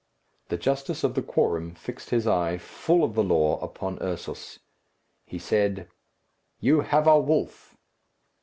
The justice of the quorum fixed his eye, full of the law, upon Ursus. He said, "You have a wolf."